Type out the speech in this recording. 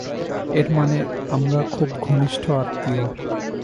এরমানে আমরা খুব ঘনিষ্ঠ আত্মীয়!